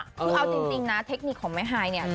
คือเอาจริงนะเทคนิคของแม่ฮายเนี่ย